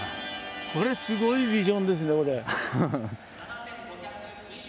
これすごいビジョンですねこれ。